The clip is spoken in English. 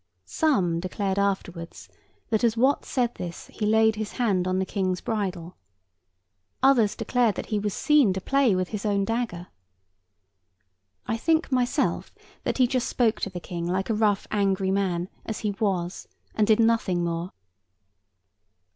Some declared afterwards that as Wat said this, he laid his hand on the King's bridle. Others declared that he was seen to play with his own dagger. I think, myself, that he just spoke to the King like a rough, angry man as he was, and did nothing more.